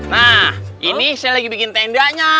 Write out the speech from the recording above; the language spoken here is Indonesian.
nah ini saya lagi bikin tendanya